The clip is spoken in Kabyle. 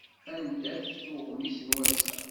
Anda-t uɣmis n wass-a?